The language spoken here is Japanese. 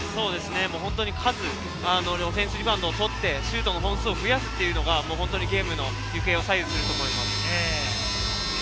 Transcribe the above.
本当に数、オフェンスリバウンドを取って、シュートの本数を増やすというのがゲームの行方を左右します。